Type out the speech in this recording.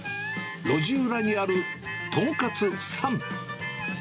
路地裏にあるとんかつ三。